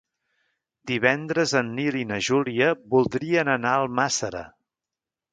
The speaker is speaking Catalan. Divendres en Nil i na Júlia voldrien anar a Almàssera.